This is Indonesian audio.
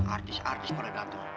artis artis pula dateng